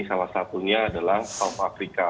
salah satunya adalah south africa